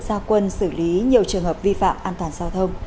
gia quân xử lý nhiều trường hợp vi phạm an toàn giao thông